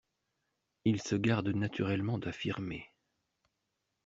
Ils se gardent naturellement d'affirmer.